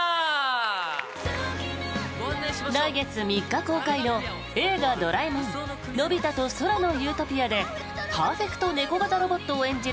来月３日公開の「映画ドラえもんのび太と空の理想郷」でパーフェクトネコ型ロボットを演じる